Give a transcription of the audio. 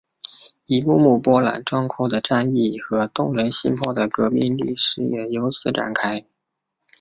一幕幕波澜壮阔的战役和动人心魄的革命历史也由此展开。